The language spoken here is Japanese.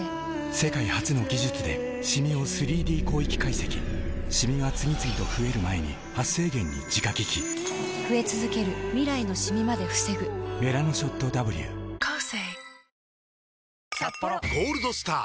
世界初の技術でシミを３Ｄ広域解析シミが次々と増える前に「メラノショットＷ」「ゴールドスター」！